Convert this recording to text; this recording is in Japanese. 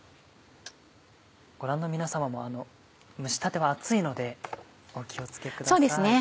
ご覧の皆様も蒸したては熱いのでお気を付けください。